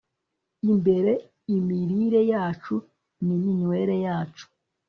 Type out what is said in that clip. imbere imirire yacu niminywere yacu